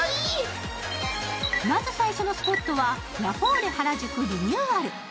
まず最初のスポットはラフォーレ原宿リニューアル。